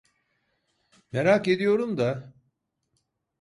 Merak ediyorum da…